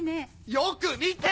よく見て‼